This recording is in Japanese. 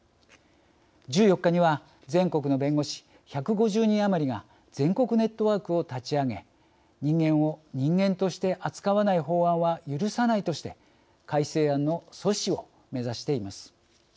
１４日には全国の弁護士１５０人余りが全国ネットワークを立ち上げ人間を人間として扱わない法案は許さないとして改正案の阻止を目指しています。